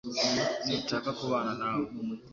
Sinshaka kubana nawe.